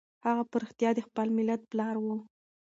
هغه په رښتیا د خپل ملت پلار و.